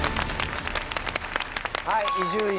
はい伊集院